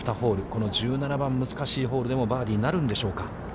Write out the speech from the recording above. この１７番、難しいホールでもバーディーなるんでしょうか。